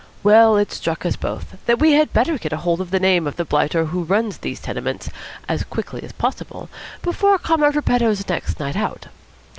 Well, it struck us both that we had better get hold of the name of the blighter who runs these tenements as quickly as possible, before Comrade Repetto's next night out.